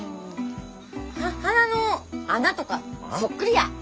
は鼻の穴とかそっくりや。